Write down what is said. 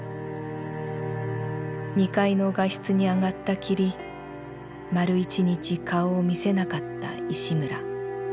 二階の画室にあがったきり丸一日顔を見せなかった石村。